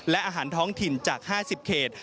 และอาหารท้องถิ่นจาก๕๐เขต